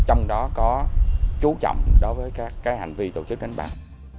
trong đó có chú trọng đối với các hành vi tổ chức đánh bạc